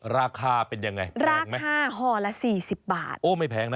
ราคาเป็นยังไงราคาห่อละสี่สิบบาทโอ้ไม่แพงนะ